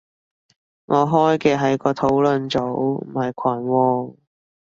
我開嘅係個討論組，唔係群喎